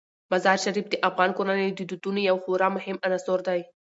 مزارشریف د افغان کورنیو د دودونو یو خورا مهم عنصر دی.